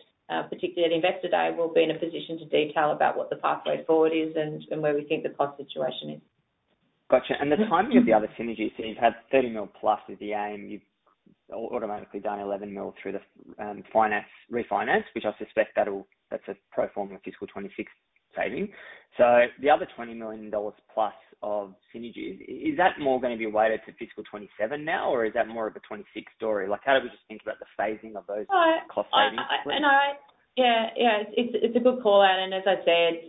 particularly at Investor Day, we will be in a position to detail about what the pathway forward is and where we think the cost situation is. Gotcha. The timing of the other synergies, so you've had 30 million plus as the aim, you've automatically done 11 million through the refinance, which I suspect that's a pro forma fiscal 2026 saving. The other 20 million dollars plus of synergies, is that more going to be weighted to fiscal 2027 now, or is that more of a 2026 story? How do we just think about the phasing of those cost savings? Yeah. Yeah. It's a good call out. As I said,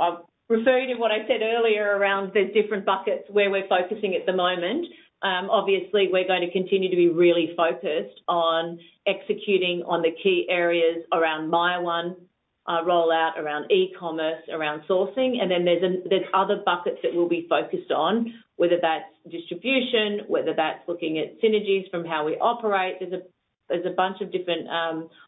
I'll refer you to what I said earlier around there's different buckets where we're focusing at the moment. Obviously, we're going to continue to be really focused on executing on the key areas around MYER one rollout, around e-commerce, around sourcing. There are other buckets that we'll be focused on, whether that's distribution, whether that's looking at synergies from how we operate. There's a bunch of different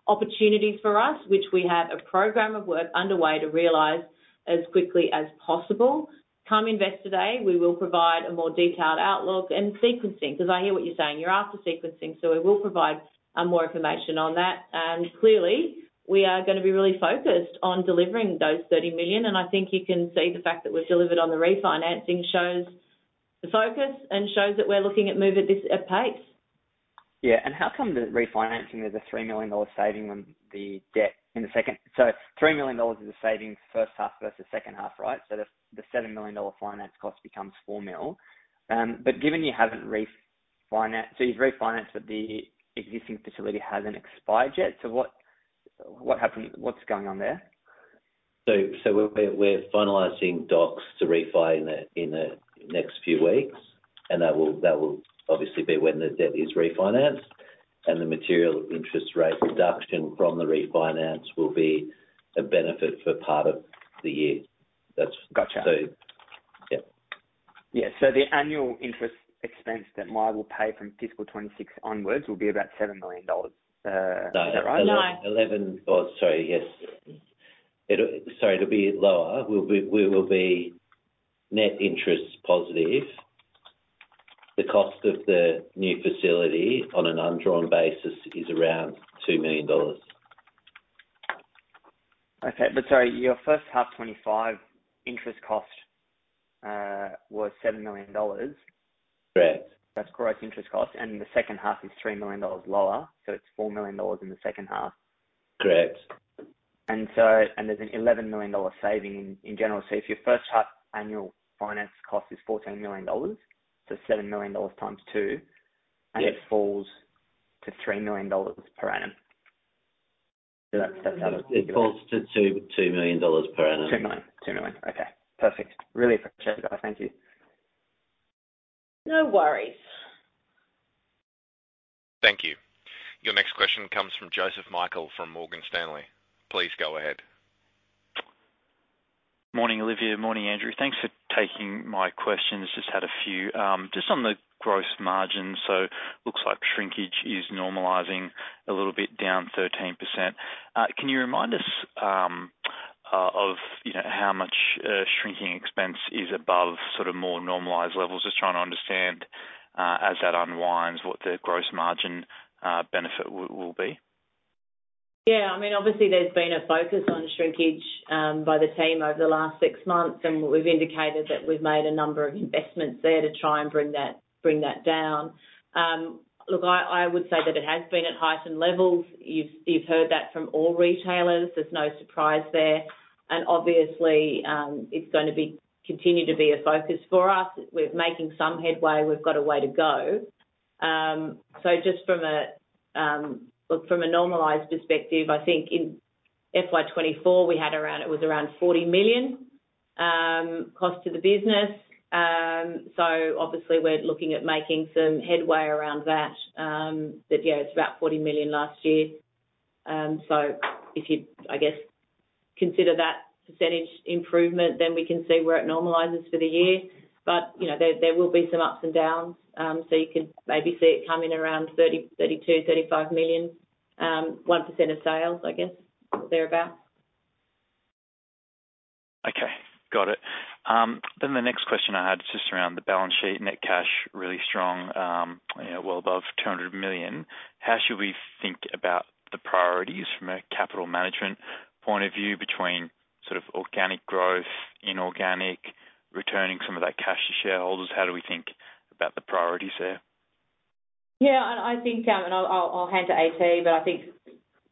opportunities for us, which we have a program of work underway to realize as quickly as possible. Come Investor Day, we will provide a more detailed outlook and sequencing, because I hear what you're saying. You're after sequencing. We will provide more information on that. Clearly, we are going to be really focused on delivering those 30 million. I think you can see the fact that we've delivered on the refinancing shows the focus and shows that we're looking at moving at this pace. Yeah. How come the refinancing is a 3 million dollar saving when the debt in the second, so 3 million dollars is a saving first half versus second half, right? The 7 million dollar finance cost becomes 4 million. Given you have not refinanced, you have refinanced, but the existing facility has not expired yet. What is going on there? We're finalizing docs to refine in the next few weeks. That will obviously be when the debt is refinanced. The material interest rate reduction from the refinance will be a benefit for part of the year. That's so. Yeah. The annual interest expense that Myer will pay from fiscal 2026 onwards will be about 7 million dollars. Is that right? No. 11. Oh, sorry. Yes. Sorry. It'll be lower. We will be net interest positive. The cost of the new facility on an undrawn basis is around 2 million dollars. Okay. Sorry, your first half 2025 interest cost was 7 million dollars. Correct. That's gross interest cost. The second half is 3 million dollars lower. It is 4 million dollars in the second half. Correct. There is an 11 million dollars saving in general. If your first half annual finance cost is 14 million dollars, so 7 million dollars times two, and it falls to 3 million dollars per annum. It falls to 2 million dollars per annum. 2 million. Okay. Perfect. Really appreciate it, guys. Thank you. No worries. Thank you. Your next question comes from Joseph Michael from Morgan Stanley. Please go ahead. Morning, Olivia. Morning, Andrew. Thanks for taking my questions. Just had a few. Just on the gross margins, so it looks like shrinkage is normalizing a little bit down 13%. Can you remind us of how much shrinkage expense is above sort of more normalized levels? Just trying to understand as that unwinds what the gross margin benefit will be. Yeah. I mean, obviously, there's been a focus on shrinkage by the team over the last six months. We've indicated that we've made a number of investments there to try and bring that down. Look, I would say that it has been at heightened levels. You've heard that from all retailers. There's no surprise there. Obviously, it's going to continue to be a focus for us. We're making some headway. We've got a way to go. Just from a normalised perspective, I think in FY2024, we had around, it was around 40 million cost to the business. Obviously, we're looking at making some headway around that. Yeah, it's about 40 million last year. If you, I guess, consider that percentage improvement, then we can see where it normalises for the year. There will be some ups and downs. You can maybe see it coming around 32 million-35 million, 1% of sales, I guess, thereabouts. Okay. Got it. The next question I had is just around the balance sheet, net cash really strong, well above 200 million. How should we think about the priorities from a capital management point of view between sort of organic growth, inorganic, returning some of that cash to shareholders? How do we think about the priorities there? Yeah. I think, and I'll hand to AT, I think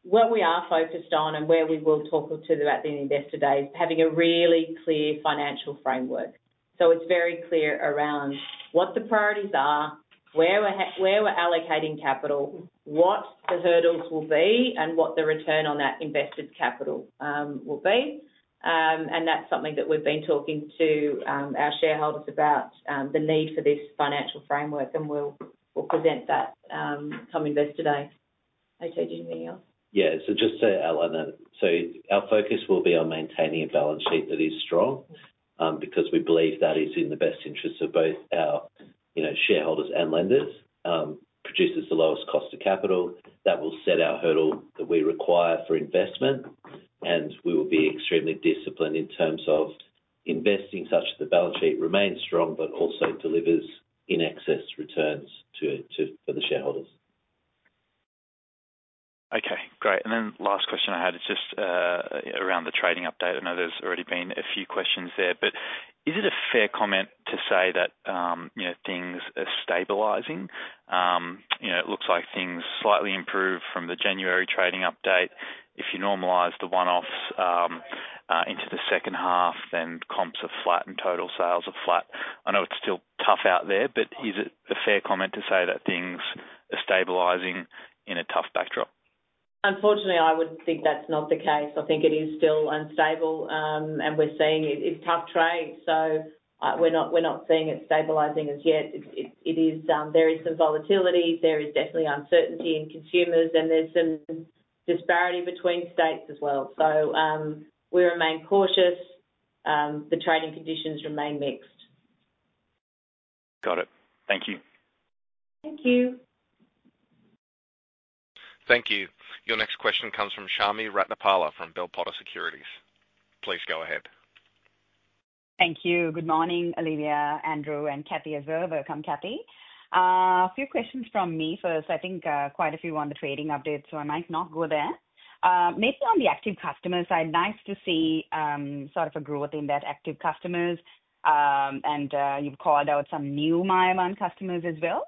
what we are focused on and where we will talk to the investor day is having a really clear financial framework. It is very clear around what the priorities are, where we're allocating capital, what the hurdles will be, and what the return on that invested capital will be. That is something that we've been talking to our shareholders about, the need for this financial framework. We'll present that come Investor Day. AT, do you have anything else? Yeah. Just to add on that, our focus will be on maintaining a balance sheet that is strong because we believe that is in the best interests of both our shareholders and lenders. Produces the lowest cost of capital. That will set our hurdle that we require for investment. We will be extremely disciplined in terms of investing such that the balance sheet remains strong but also delivers in excess returns for the shareholders. Okay. Great. The last question I had is just around the trading update. I know there's already been a few questions there. Is it a fair comment to say that things are stabilizing? It looks like things slightly improved from the January trading update. If you normalize the one-offs into the second half, then comps are flat and total sales are flat. I know it's still tough out there, but is it a fair comment to say that things are stabilizing in a tough backdrop? Unfortunately, I would think that's not the case. I think it is still unstable. I think it is tough trade. We are not seeing it stabilizing as yet. There is some volatility. There is definitely uncertainty in consumers. There is some disparity between states as well. We remain cautious. The trading conditions remain mixed. Got it. Thank you. Thank you. Thank you. Your next question comes from Chami Ratnapala from Bell Potter Securities. Please go ahead. Thank you. Good morning, Olivia, Andrew, and Kathy as well. Welcome, Kathy. A few questions from me first. I think quite a few on the trading update, so I might not go there. Maybe on the active customer side, nice to see sort of a growth in that active customers. And you've called out some new MYER one customers as well.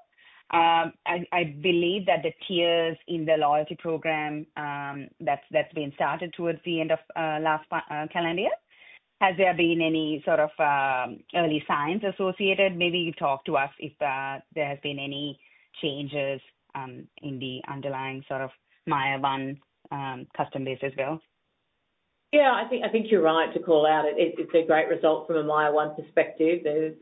I believe that the tiers in the loyalty program that's been started towards the end of last calendar year, has there been any sort of early signs associated? Maybe you talk to us if there has been any changes in the underlying sort of MYER one customer base as well. Yeah. I think you're right to call out. It's a great result from a MYER one perspective. There's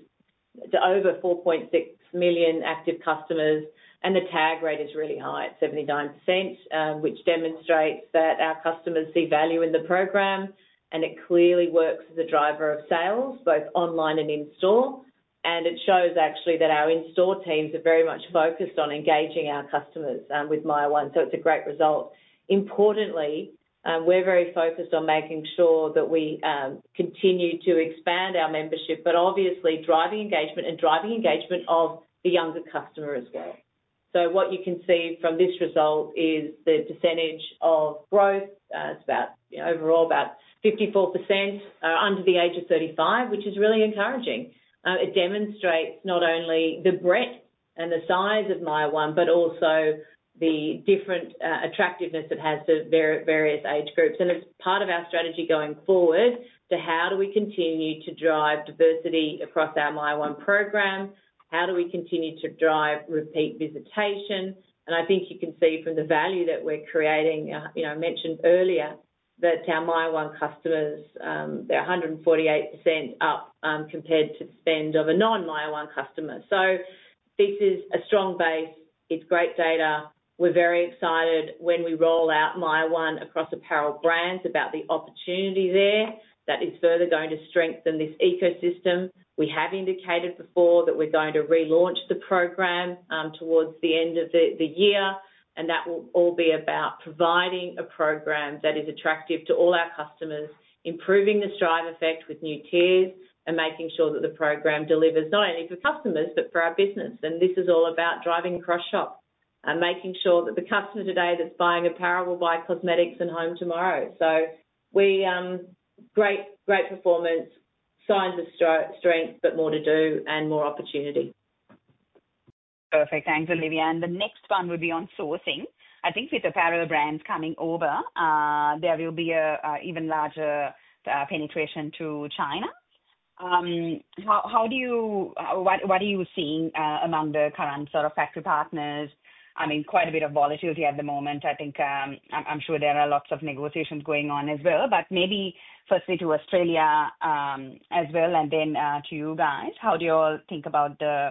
over 4.6 million active customers. The tag rate is really high at 79%, which demonstrates that our customers see value in the program. It clearly works as a driver of sales, both online and in store. It shows actually that our in-store teams are very much focused on engaging our customers with MYER one. It's a great result. Importantly, we're very focused on making sure that we continue to expand our membership, obviously driving engagement and driving engagement of the younger customer as well. What you can see from this result is the percentage of growth. It's overall about 54% under the age of 35, which is really encouraging. It demonstrates not only the breadth and the size of MYER one, but also the different attractiveness it has to various age groups. It is part of our strategy going forward to how do we continue to drive diversity across our MYER one program? How do we continue to drive repeat visitation? I think you can see from the value that we are creating, I mentioned earlier, that our MYER one customers, they are 148% up compared to the spend of a non-MYER one customer. This is a strong base. It is great data. We are very excited when we roll out MYER one across Apparel Brands about the opportunity there that is further going to strengthen this ecosystem. We have indicated before that we are going to relaunch the program towards the end of the year. That will all be about providing a program that is attractive to all our customers, improving the stride effect with new tiers, and making sure that the program delivers not only for customers, but for our business. This is all about driving across shop and making sure that the customer today that's buying apparel will buy cosmetics and home tomorrow. Great performance, signs of strength, but more to do and more opportunity. Perfect. Thanks, Olivia. The next one would be on sourcing. I think with Apparel Brands coming over, there will be an even larger penetration to China. What are you seeing among the current sort of factory partners? I mean, quite a bit of volatility at the moment. I think I'm sure there are lots of negotiations going on as well. Maybe firstly to Australia as well, and then to you guys, how do you all think about the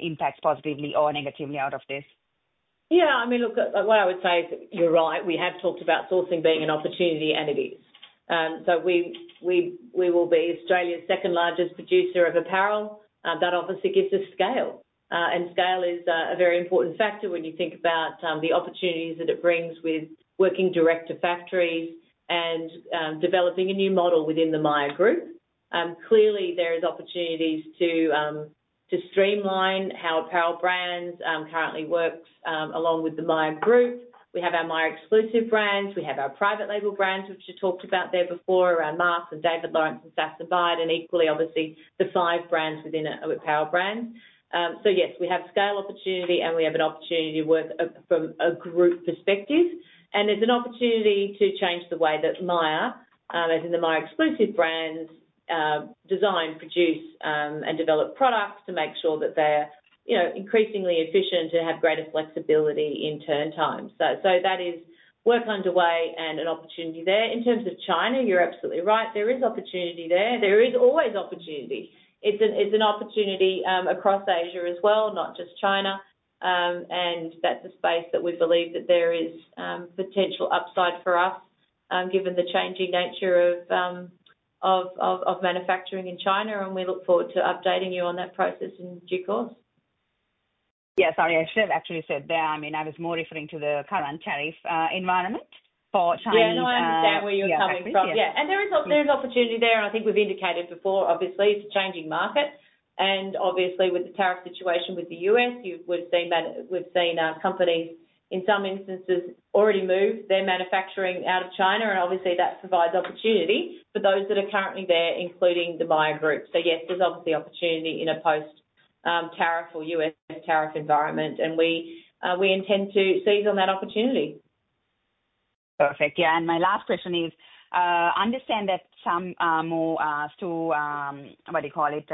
impact positively or negatively out of this? Yeah. I mean, look, what I would say is that you're right. We have talked about sourcing being an opportunity and it is. We will be Australia's second largest producer of apparel. That obviously gives us scale. Scale is a very important factor when you think about the opportunities that it brings with working direct to factories and developing a new model within the Myer Group. Clearly, there are opportunities to streamline how Apparel Brands currently work along with the Myer Group. We have our Myer exclusive brands. We have our private label brands, which you talked about there before, around Marcs and David Lawrence and Sass & Bide, and equally, obviously, the five brands within Apparel Brands. Yes, we have scale opportunity, and we have an opportunity to work from a group perspective. There is an opportunity to change the way that Myer, as in the Myer exclusive brands, design, produce, and develop products to make sure that they're increasingly efficient and have greater flexibility in turn time. That is work underway and an opportunity there. In terms of China, you're absolutely right. There is opportunity there. There is always opportunity. It's an opportunity across Asia as well, not just China. That is a space that we believe that there is potential upside for us given the changing nature of manufacturing in China. We look forward to updating you on that process in due course. Yeah. Sorry. I should have actually said there. I mean, I was more referring to the current tariff environment for China. Yeah. No, I understand where you're coming from. Exactly. Yeah. There is opportunity there. I think we've indicated before, obviously, it's a changing market. Obviously, with the tariff situation with the US, we've seen companies in some instances already move their manufacturing out of China. Obviously, that provides opportunity for those that are currently there, including the Myer Group. Yes, there's obviously opportunity in a post-tariff or US tariff environment. We intend to seize on that opportunity. Perfect. Yeah. My last question is, I understand that some more, what do you call it,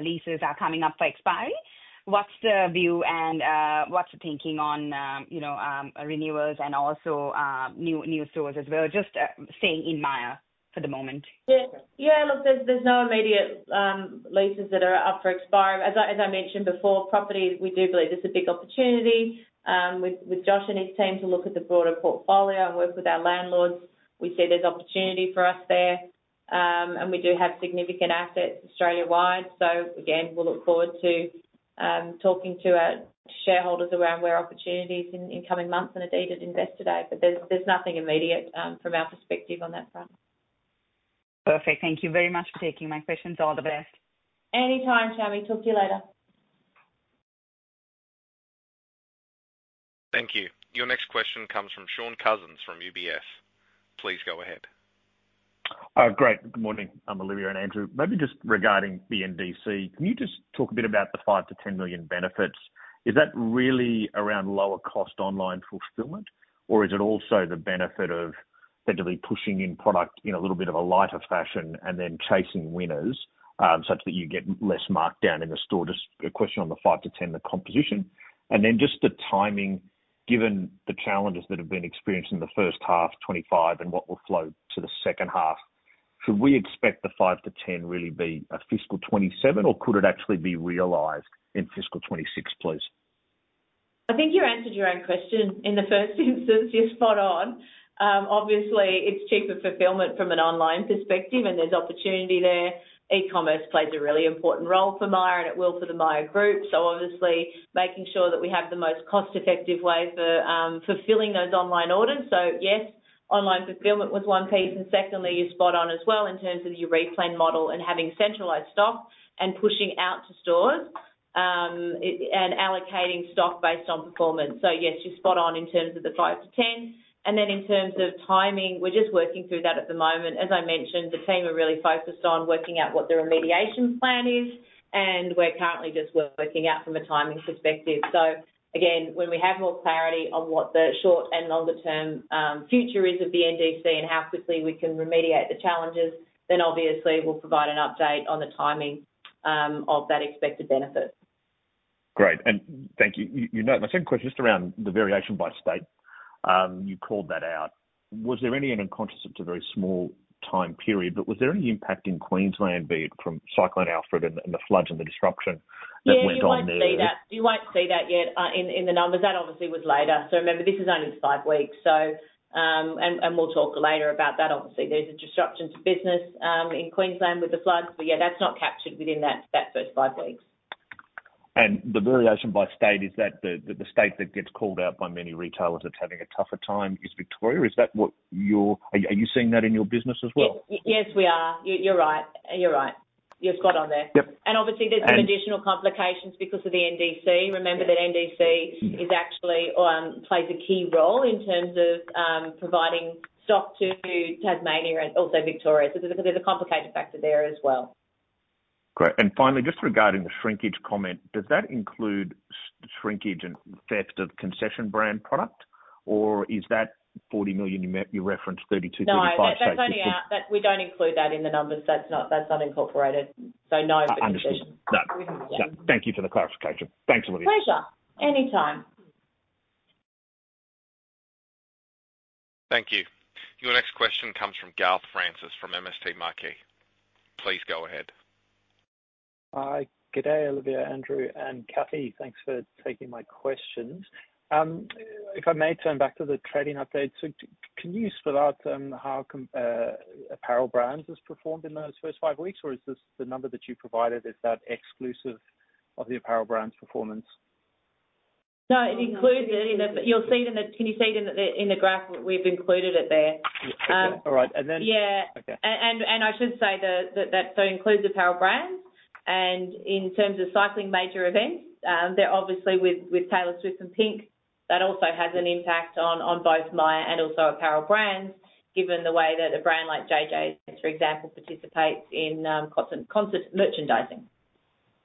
leases are coming up for expiry. What's the view and what's the thinking on renewals and also new stores as well? Just staying in Myer for the moment. Yeah. Look, there's no immediate leases that are up for expiring. As I mentioned before, property, we do believe there's a big opportunity. With Josh and his team to look at the broader portfolio and work with our landlords, we see there's opportunity for us there. We do have significant assets Australia-wide. Again, we'll look forward to talking to shareholders around where opportunities in coming months and indeed at Investor Day. There's nothing immediate from our perspective on that front. Perfect. Thank you very much for taking my questions. All the best. Anytime, Chami. Talk to you later. Thank you. Your next question comes from Shaun Cousins from UBS. Please go ahead. Great. Good morning. I'm Olivia and Andrew. Maybe just regarding NDC, can you just talk a bit about the 5-10 million benefits? Is that really around lower-cost online fulfillment, or is it also the benefit of potentially pushing in product in a little bit of a lighter fashion and then chasing winners such that you get less markdown in the store? Just a question on the five to 10, the composition. Then just the timing, given the challenges that have been experienced in the first half, 2025, and what will flow to the second half, should we expect the five to 10 really be a fiscal 2027, or could it actually be realized in fiscal 2026, please? I think you answered your own question. In the first instance, you're spot on. Obviously, it's cheaper fulfillment from an online perspective, and there's opportunity there. E-commerce plays a really important role for Myer, and it will for the Myer Group. Obviously, making sure that we have the most cost-effective way for fulfilling those online orders. Yes, online fulfillment was one piece. Secondly, you're spot on as well in terms of your replen model and having centralised stock and pushing out to stores and allocating stock based on performance. Yes, you're spot on in terms of the five to 10. In terms of timing, we're just working through that at the moment. As I mentioned, the team are really focused on working out what the remediation plan is. We're currently just working out from a timing perspective. When we have more clarity on what the short and longer-term future is of NDC and how quickly we can remediate the challenges, then obviously, we'll provide an update on the timing of that expected benefit. Great. Thank you. My second question is just around the variation by state. You called that out. Was there any—and I'm conscious it's a very small time period—but was there any impact in Queensland from Cyclone Alfred and the floods and the disruption that went on there? You won't see that. You won't see that yet in the numbers. That obviously was later. Remember, this is only five weeks. We'll talk later about that. Obviously, there's a disruption to business in Queensland with the floods. Yeah, that's not captured within that first five weeks. The variation by state is that the state that gets called out by many retailers as having a tougher time is Victoria. Is that what you're—are you seeing that in your business as well? Yes, we are. You're right. You're right. You're spot on there. Obviously, there's some additional complications because of the NDC. Remember that NDC actually plays a key role in terms of providing stock to Tasmania and also Victoria. There's a complicated factor there as well. Great. Finally, just regarding the shrinkage comment, does that include shrinkage and theft of concession brand product, or is that 40 million you referenced, 32-35 states? Yeah. That's only out. We don't include that in the numbers. That's not incorporated. No. Understood. No. Thank you for the clarification. Thanks, Olivia. Pleasure. Anytime. Thank you. Your next question comes from Garth Francis from MST Marquee. Please go ahead. Hi. G'day, Olivia, Andrew, and Kathy. Thanks for taking my questions. If I may turn back to the trading updates, can you spit out how Apparel Brands has performed in those first five weeks, or is this the number that you provided? Is that exclusive of the Apparel Brands' performance? No, it includes it in the—you'll see it in the—can you see it in the graph? We've included it there. All right. Then. Yeah. I should say that that so includes Apparel Brands. In terms of cycling major events, they're obviously with Taylor Swift and Pink. That also has an impact on both Myer and also Apparel Brands, given the way that a brand like Jay Jays, for example, participates in concert merchandising.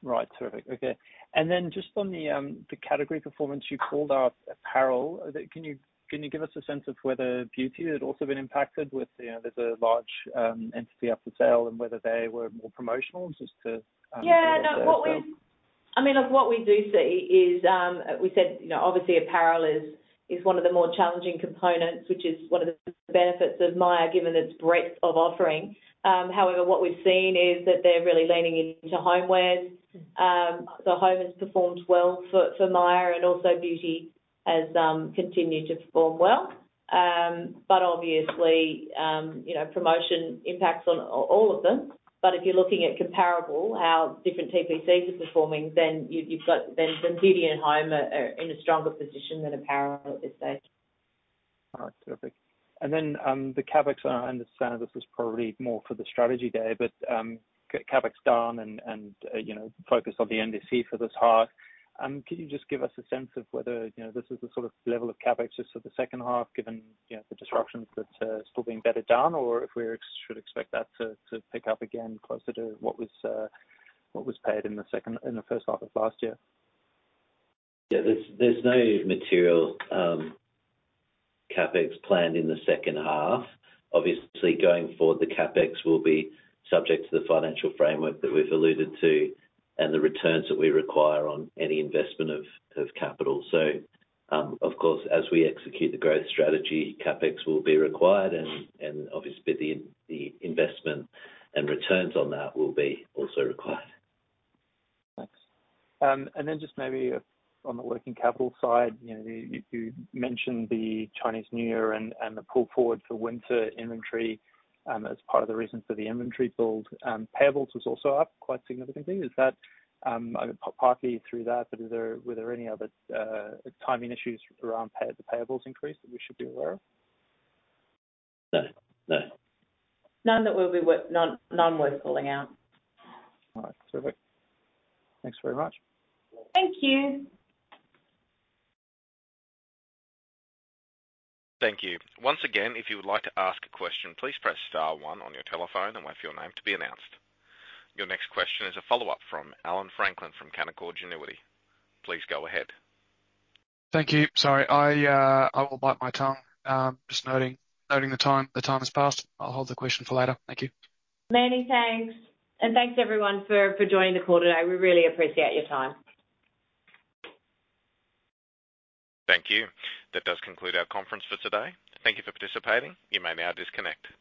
Right. Terrific. Okay. Just on the category performance, you called out apparel. Can you give us a sense of whether beauty had also been impacted with there's a large entity up for sale and whether they were more promotional just to? Yeah. I mean, what we do see is we said obviously apparel is one of the more challenging components, which is one of the benefits of Myer, given its breadth of offering. However, what we've seen is that they're really leaning into homewares. So home has performed well for Myer, and also beauty has continued to perform well. Obviously, promotion impacts on all of them. If you're looking at comparable, how different TPCs are performing, then beauty and home are in a stronger position than apparel at this stage. All right. Terrific. And then the CapEx, I understand this is probably more for the strategy day, but CapEx down and focus on the NDC for this half. Could you just give us a sense of whether this is the sort of level of CapEx just for the second half, given the disruptions that are still being bedded down, or if we should expect that to pick up again closer to what was paid in the first half of last year? Yeah. There's no material CapEx planned in the second half. Obviously, going forward, the CapEx will be subject to the financial framework that we've alluded to and the returns that we require on any investment of capital. Of course, as we execute the growth strategy, CapEx will be required, and obviously, the investment and returns on that will be also required. Thanks. Maybe on the working capital side, you mentioned the Chinese New Year and the pull forward for winter inventory as part of the reason for the inventory build. Payables was also up quite significantly. Is that partly through that, but were there any other timing issues around the payables increase that we should be aware of? No. No. None that we'll be none worth pulling out. All right. Terrific. Thanks very much. Thank you. Thank you. Once again, if you would like to ask a question, please press star one on your telephone and wait for your name to be announced. Your next question is a follow-up from Allan Franklin from Canaccord Genuity. Please go ahead. Thank you. Sorry. I will bite my tongue just noting the time has passed. I'll hold the question for later. Thank you. Many thanks. Thanks, everyone, for joining the call today. We really appreciate your time. Thank you. That does conclude our conference for today. Thank you for participating. You may now disconnect.